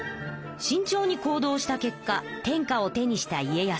しんちょうに行動した結果天下を手にした家康。